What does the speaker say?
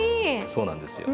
そうなんですよ。